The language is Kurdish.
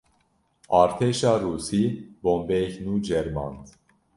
Artêşa Rûsî, bombeyek nû ceriband